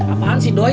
apaan sih doi